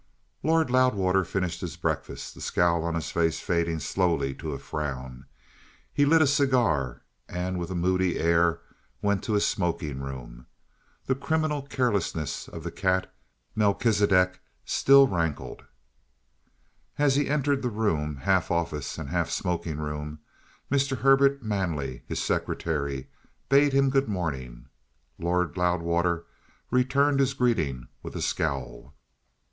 Lord Loudwater finished his breakfast, the scowl on his face fading slowly to a frown. He lit a cigar and with a moody air went to his smoking room. The criminal carelessness of the cat Melchisidec still rankled. As he entered the room, half office and half smoking room, Mr. Herbert Manley, his secretary, bade him good morning. Lord Loudwater returned his greeting with a scowl.